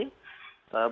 bersama sama dengan polisi